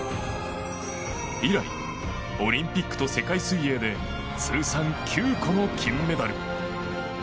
以来、オリンピックと世界水泳で通算９個の金メダル。